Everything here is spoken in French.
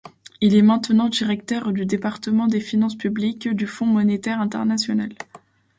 Il est maintenant Directeur du Département des finances publiques du Fonds monétaire international.